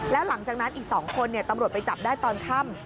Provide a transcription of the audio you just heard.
แล้วหลังจากนั้นอีก๒คนตำรวจไปจับได้ตอนค่ำ